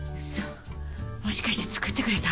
もしかして作ってくれた？